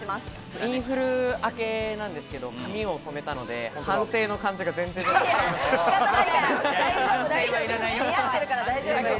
インフル明けなんですけど、髪を染めたので反省の感じが全然出てない。